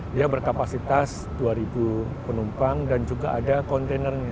dia berkapasitas dua penumpang dan juga ada kontainernya